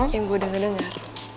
yang gue denger dengar